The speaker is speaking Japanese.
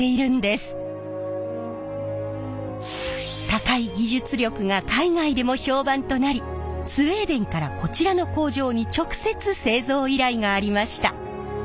高い技術力が海外でも評判となりスウェーデンからこちらの工場に直接製造依頼がありました。